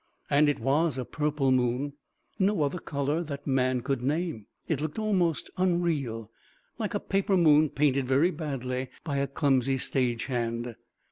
And it was a purple moon no other colour that man could name. It looked almost unreal, like a paper moon painted very badly by a clumsy stage hand.